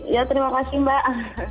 ya terima kasih mbak